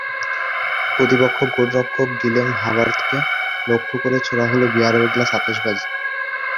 প্রতিপক্ষ গোলরক্ষক গিলেম হাবার্তকে লক্ষ্য করে ছোড়া হলো বিয়ারের গ্লাস, আতশবাজি।